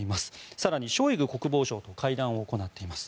更にショイグ国防相と会談をしています。